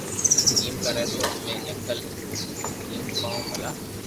ايم ڪري تو ايتي نقل ايم ڪون ڀلا